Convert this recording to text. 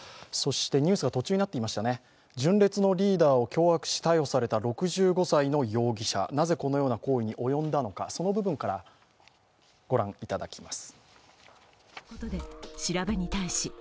ニュースが途中になっていましたが、純烈のリーダーを脅迫し逮捕されていた６５歳の容疑者なぜこのような行為に及んだのか、その部分から御覧いただきます。